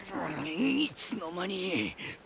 いつの間に。